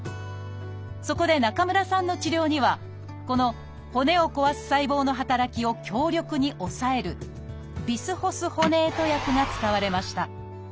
そこで中村さんの治療にはこの骨を壊す細胞の働きを強力に抑えるビスホスホネート薬が使われました。